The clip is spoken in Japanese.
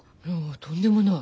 とんでもない。